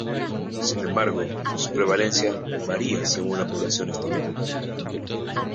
Sin embargo, su prevalencia varía según la población estudiada.